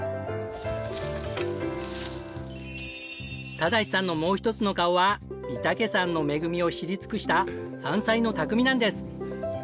正さんのもう一つの顔は御岳山の恵みを知り尽くした山菜の匠なんです。